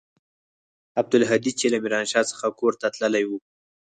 عبدالهادي چې له ميرانشاه څخه کور ته تللى و.